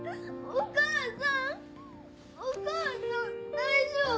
お母さん大丈夫？